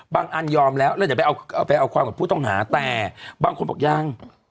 บางอันยอมแล้วแล้วอยากเป็นไปเอาความของผู้ต้องหาแต่บางคนบอกยัง